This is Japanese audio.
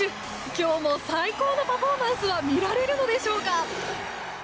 今日も最高のパフォーマンスは見られるのでしょうか。